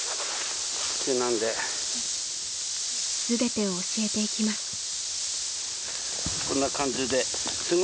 ［全てを教えていきます］